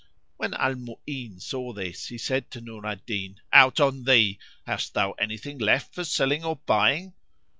When Al Mu'ín saw this he said to Nur al Din, "Out on thee! Hast thou anything left for selling or buying?"